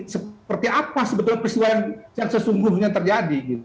seperti apa sebetulnya peristiwa yang sesungguhnya terjadi